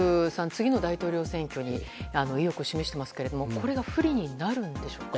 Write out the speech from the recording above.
次の大統領選挙に意欲を示していますがこれが不利になるんでしょうか。